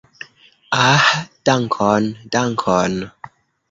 Ah, dankon, dankon!